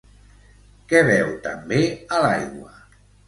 Què veu també a l'aigua?